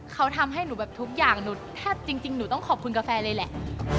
เขาทำให้หนูแบบทุกอย่างหนูแทบจริงหนูต้องขอบคุณกาแฟเลยแหละ